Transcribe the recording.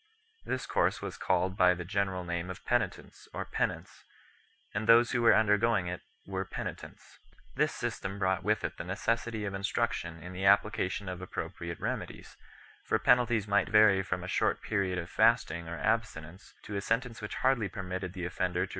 This course was called by the general name of penitence or penance, and those who were undergoing it were penitents. This system brought with it the necessity of instruction in the application of appropriate remedies ; for penalties might vary from a short period of fasting or abstinence to a sentence which hardly permitted the offender to receive the sacrament on his death bed.